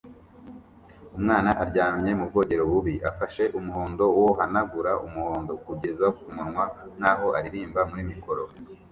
umwana aryamye mu bwogero bubi afashe umuhondo wohanagura umuhondo kugeza kumunwa nkaho aririmba muri mikoro